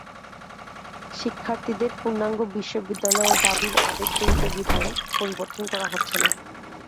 শিক্ষার্থীদের পূর্ণাঙ্গ বিশ্ববিদ্যালয়ের দাবির আবেগ জড়িত বিধায় পরিবর্তন করা হচ্ছে না।